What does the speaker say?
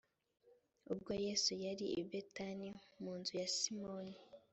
ubwo yesu yari i betaniya mu nzu ya simoni